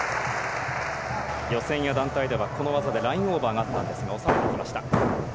予選や団体ではこの技でラインオーバーになったんですが、抑えてきました。